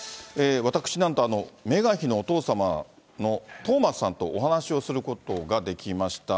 私なんと、あのメーガン妃のお父様のトーマスさんとお話をすることができました。